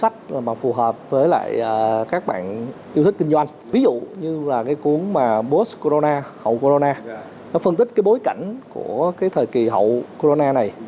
đó là cái cuốn mà post corona hậu corona nó phân tích cái bối cảnh của cái thời kỳ hậu corona này